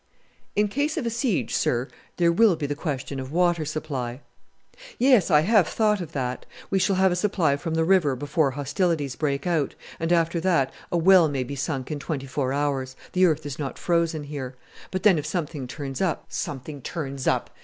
"In case of a siege, sir, there will be the question of water supply." "Yes, I have thought of that. We shall have a supply from the river before hostilities break out, and after that a well may be sunk in twenty four hours; the earth is not frozen here. But then if something turns up " "Something turns up!"